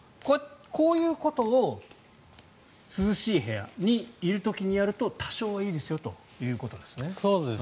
こういうことを涼しい部屋にいる時にやると多少はいいですよということですね。